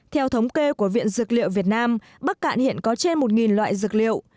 theo thống kê của viện dược liệu việt nam bắc cạn hiện có trên một loại dược liệu